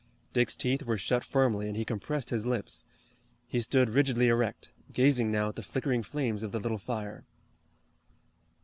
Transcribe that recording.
Dick's teeth were shut firmly, and he compressed his lips. He stood rigidly erect, gazing now at the flickering flames of the little fire.